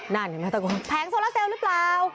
นั่นแผงโซล่าเซลล์หรือเปล่า